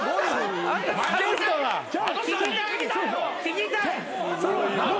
・聞きたい！